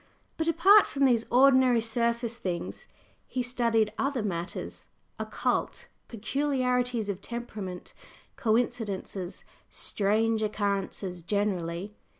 But apart from these ordinary surface things, he studied other matters "occult" peculiarities of temperament, "coincidences," strange occurrences generally.